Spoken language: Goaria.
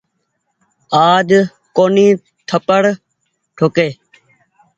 آج ڪونيٚ ٿپڙ ٺوڪي۔